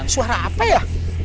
suara apa ya